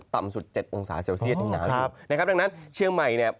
ต่ำสุด๗องศาเซลเซียนหนาวอยู่ด้วยนะครับดังนั้นเชียงใหม่